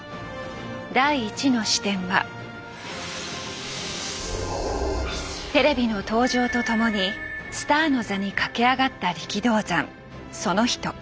第１の視点はテレビの登場と共にスターの座に駆け上がった力道山その人。